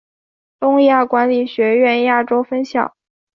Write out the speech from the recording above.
东亚管理学院亚洲分校。